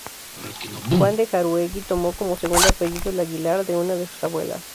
Juan de Jáuregui tomó como segundo apellido el "Aguilar" de una de sus abuelas.